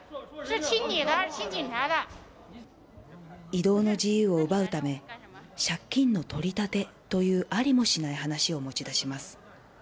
移動の自由を奪うため、借金の取り立てという、ありもしない話を持ち出します。